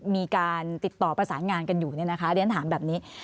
มีการติดต่อประสานงานกันอยู่เนี่ยนะคะเรียนถามแบบนี้